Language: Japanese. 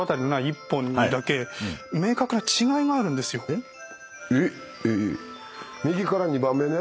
えっ？えっ？